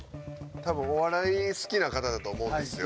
多分お笑い好きな方だと思うんですよ